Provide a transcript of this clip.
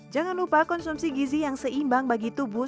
jangan lupa konsumsi gizi yang seimbang bagi tubuh